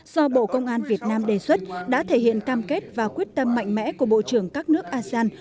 do bộ công an việt nam đề xuất đã thể hiện cam kết và quyết tâm mạnh mẽ của bộ trưởng các nước asean